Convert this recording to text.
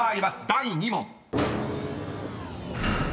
第２問］